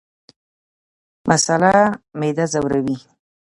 مساله معده ځوروي